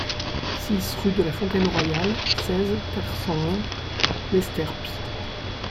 six rue de la Fontaine Royal, seize, quatre cent vingt, Lesterps